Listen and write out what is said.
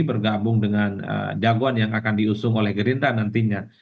bergabung dengan jagoan yang akan diusung oleh gerindra nantinya